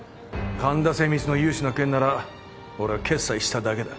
神田精密の融資の件なら俺は決裁しただけだ。